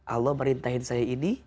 allah merintahin saya ini